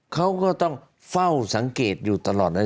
เขาก็ต้องเฝ้าสังเกตอยู่ตลอดนะ